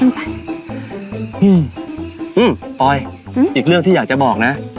อืมปอยหรืออีกเรื่องที่อยากจะบอกนะ